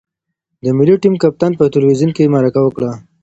د ملي ټیم کپتان په تلویزیون کې مرکه وکړه.